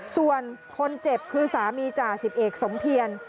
ส่วนคนเจ็บคือสามีจ่าสิบเอกสมเพียร